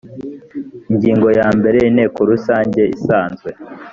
ingingo ya mbere inteko rusange isanzwe